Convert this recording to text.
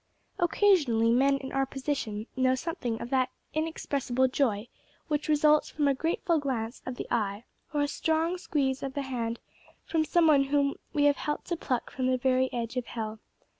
Occasionally men in our position know something of that inexpressible joy which results from a grateful glance of the eye or a strong squeeze of the hand from some one whom we have helped to pluck from the very edge of hell.